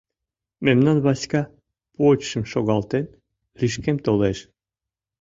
Мемнан Васька, почшым шогалтен, лишкем толеш.